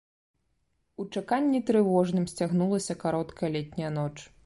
У чаканні трывожным сцягнулася кароткая летняя ноч.